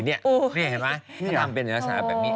ถ้าทำเป็นรสาวแบบนี้